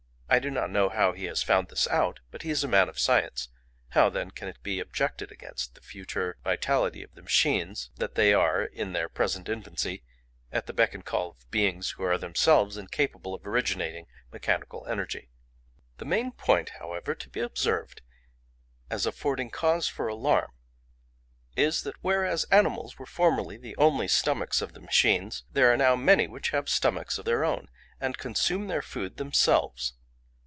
I do not know how he has found this out, but he is a man of science—how then can it be objected against the future vitality of the machines that they are, in their present infancy, at the beck and call of beings who are themselves incapable of originating mechanical energy? "The main point, however, to be observed as affording cause for alarm is, that whereas animals were formerly the only stomachs of the machines, there are now many which have stomachs of their own, and consume their food themselves.